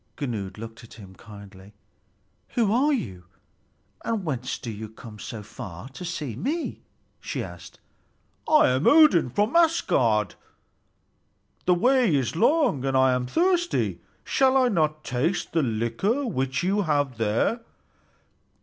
Gunnlöd looked at him kindly. "Who are you, and whence do you come so far to see me?" she asked. "I am Odin, from Asgard. The way is long and I am thirsty. Shall I not taste the liquor which you have there?"